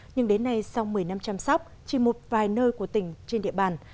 nhưng đến nay sau một mươi năm chăm sóc chỉ một vài nơi của tỉnh trên địa bàn